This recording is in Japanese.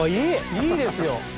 いいですよ。